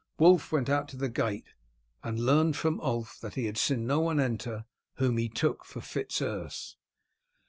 Wulf went out to the gate, and learnt from Ulf that he had seen no one enter whom he took for Fitz Urse.